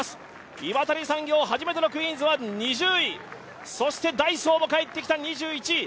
岩谷産業、初めてのクイーンズは２０位ｋ、ダイソーも帰ってきた２１位。